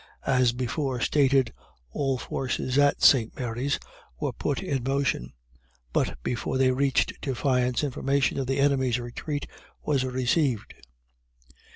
As before stated, all the forces at St. Mary's were put in motion, but before they reached Defiance information of the enemy's retreat was received.